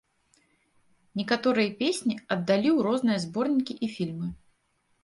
Некаторыя песні аддалі ў розныя зборнікі і фільмы.